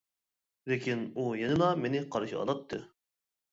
لېكىن، ئۇ يەنىلا مېنى قارشى ئالاتتى.